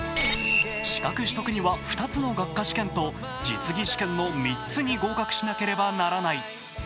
資格取得には２つの学科試験と実技試験の３つに合格しなければならない。